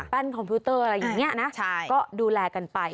คอมพิวเตอร์อะไรอย่างนี้นะก็ดูแลกันไป